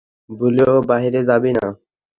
ভুলেও বাহিরে যাবি না!